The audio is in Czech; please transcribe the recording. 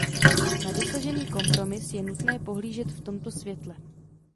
Na dosažený kompromis je nutné pohlížet v tomto světle.